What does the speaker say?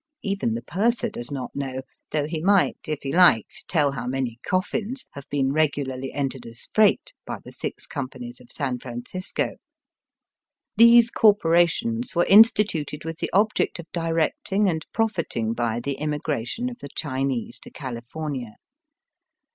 Even the purser does not know, though he mi^ht, if he liked, tell how many coffins have been regularly entered as freight by the Six Companies of San Francisco. These cor porations were instituted with the object of directing and profiting by the immigration of the Chinese to California.